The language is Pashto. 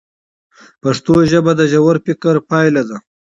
پښتو ژبه د ژور فکر پایله ده.